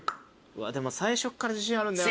でも最初から自信あるんだよな。